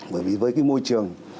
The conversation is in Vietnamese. bởi vì với cái môi trường